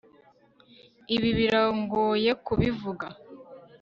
Ibi birangoye kubivuga